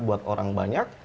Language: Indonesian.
buat orang banyak